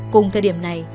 cùng thời điểm này